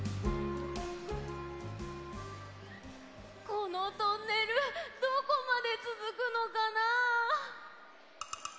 このトンネルどこまでつづくのかな？